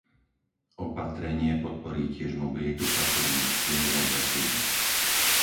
Opatrenie podporí tiež mobilitu pracovných síl v odvetví.